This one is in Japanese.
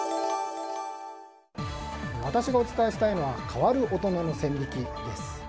私がお伝えしたいのは変わる大人の線引きです。